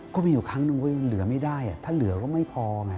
ก็มีอยู่ครั้งนึงก็ยังเหลือไม่ได้ถ้าเหลือก็ไม่พอไง